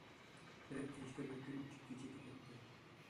بېرىپ كېلىشكە بىر كۈن، ئىككى كېچە كېتەتتى.